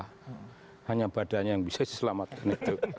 hanya badannya yang bisa diselamatkan itu